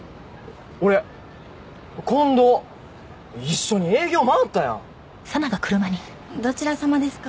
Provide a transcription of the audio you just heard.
俺近藤一緒に営業回ったやんどちらさまですか？